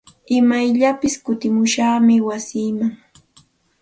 Imayllapis kutimushaqmi wasiiman.